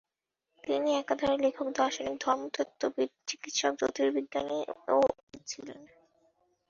তিনি একাধারে লেখক, দার্শনিক, ধর্মতত্ত্ববিদ, চিকিৎসক, জ্যোতির্বিজ্ঞানী ও উজির ছিলেন।